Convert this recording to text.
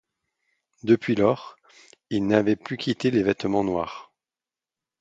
Depuis lors, il n'avait plus quitté les vêtements noirs.